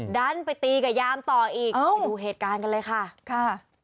ดันไปตีกับยามต่ออีกไปดูเหตุการณ์กันเลยค่ะค่ะ